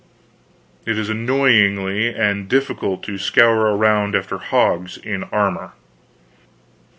It is annoying and difficult to scour around after hogs, in armor.